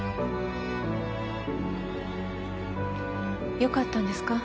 よかったんですか？